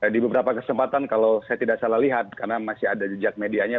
di beberapa kesempatan kalau saya tidak salah lihat karena masih ada jejak medianya